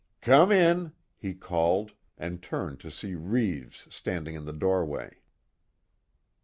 "Come in!" he called, and turned to see Reeves standing in the doorway.